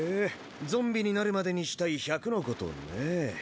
「ゾンビになるまでにしたい１００のこと」ねぇ。